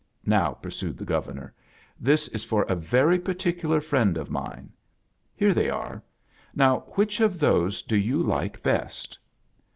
"Now," pursued the Governor, "this is for a . very particular friend of mine. Here they are. Ncv, which of those do you like best?"